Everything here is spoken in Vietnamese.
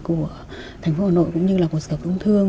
của thành phố hà nội cũng như là của sở công thương